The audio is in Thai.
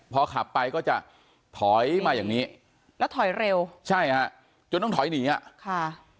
พอขับไปก็จะถอยมาอย่างนี้แล้วถอยเร็วใช่ฮะจนต้องถอยหนีอ่ะค่ะ